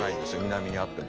南にあっても。